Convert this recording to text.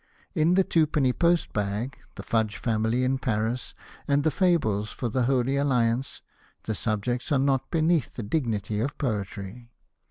In the Twopenny Post bag^ The Fudge Family i7i Paris ^ and the Fables fo?' the Holy Alliance^ the subjects are not beneath the dignity of poetry.